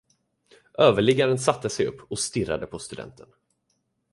Överliggaren satte sig upp och stirrade på studenten.